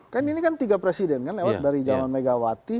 kan ini kan tiga presiden kan lewat dari zaman megawati